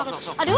aduh aduh aduh